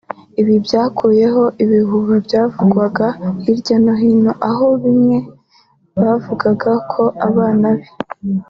Ibi byakuyeho ibihuha byavugwaga hirya no hino aho bamwe bavugaga ko abana be